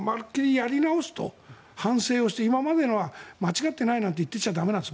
やり直すと反省して今までのは間違っていないなんて言ってちゃ駄目なんです。